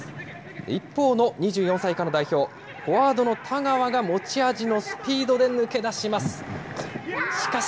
一方の２４歳以下の代表、フォワードの田川が持ち味のスピードで抜け出します。